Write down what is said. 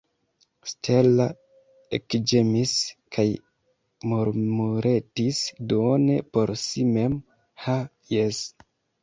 Stella ekĝemis kaj murmuretis duone por si mem: « Ha, jes! »